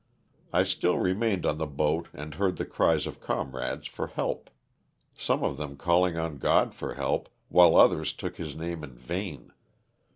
I still remained on the boat and heard the cries of comrades for help. Some of them calling on God for help, while others took his name in vain.